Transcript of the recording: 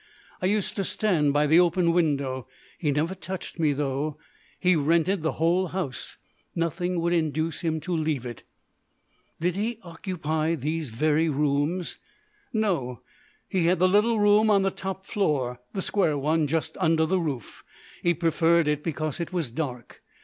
I used to stand by the open window. He never touched me, though. He rented the whole house. Nothing would induce him to leave it." "Did he occupy these very rooms?" "No. He had the little room on the top floor, the square one just under the roof. He preferred it because it was dark.